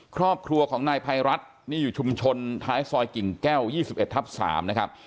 ครอบครัวของนายภัยรัฐนี่อยู่ชุมชนท้ายซอยกิ่งแก้ว๒๑ทับ๓นะครับ